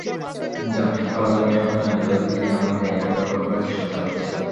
জামসেদ হাওলাদারের সন্তানেরা দীর্ঘদিন থেকে আমার জায়গাটি দখল করার চেষ্টা চালাচ্ছে।